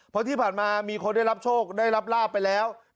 เพราะที่ผ่านมามีคนได้รับโชคได้รับลาบไปแล้ว